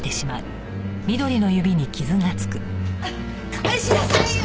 返しなさいよ！